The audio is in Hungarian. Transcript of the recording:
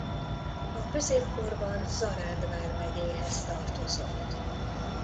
A középkorban Zaránd vármegyéhez tartozott.